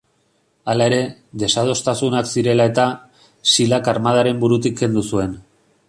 Hala ere, desadostasunak zirela eta, Silak armadaren burutik kendu zuen.